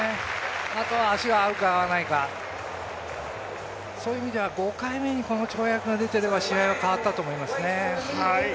あとは足が合うか合わないか、そういう意味では５回目にこういう跳躍が出ていれば試合は変わったと思いますね。